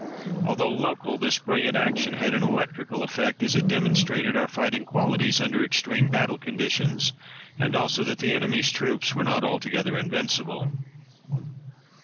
Although local, this brilliant action had an electrical effect, as it demonstrated our fighting qualities under extreme battle conditions, and also that the enemy's troops were not altogether invincible.